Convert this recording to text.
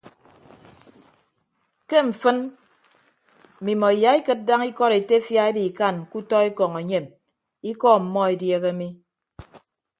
Ke mfịn mmimọ iyaikịd daña ikọd etefia ebikan ke utọ ekọñ enyem ikọ ọmmọ edieehe mi.